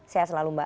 sehat selalu mbak